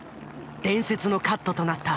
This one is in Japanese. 伝説のカットとなった。